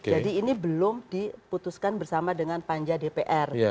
jadi ini belum diputuskan bersama dengan panja dpr